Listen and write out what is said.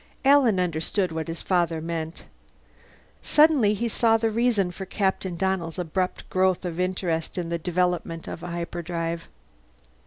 Alan understood what his father meant. Suddenly he saw the reason for Captain Donnell's abrupt growth of interest in the development of a hyperdrive.